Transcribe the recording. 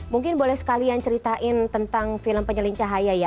mungkin boleh sekalian ceritain tentang film penyelin cahaya ya